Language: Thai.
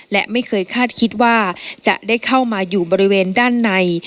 และไม่เคยคาดคิดว่าจะได้เข้ามาอยู่บริเวณด้านใน